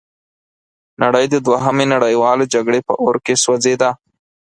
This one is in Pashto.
نړۍ د دوهمې نړیوالې جګړې په اور کې سوځیده.